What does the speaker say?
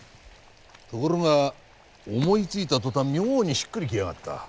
ところが思いついた途端妙にしっくりきやがった。